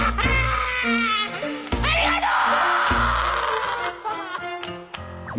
ありがとう！